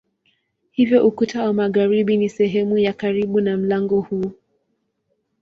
Hivyo ukuta wa magharibi ni sehemu ya karibu na mlango huu.